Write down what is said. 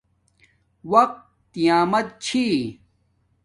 وقت نعمت چھی